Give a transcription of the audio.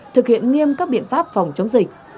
thực hiện nghiêm cấp biện pháp phòng chống dịch